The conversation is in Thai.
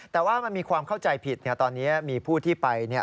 แต่ว่ามันมีความเข้าใจผิดตอนนี้มีผู้ที่ไป